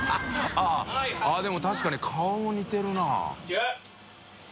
あぁあっでも確かに顔似てるな。